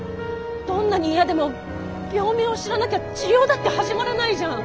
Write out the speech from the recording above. どんなに嫌でも病名を知らなきゃ治療だって始まらないじゃん。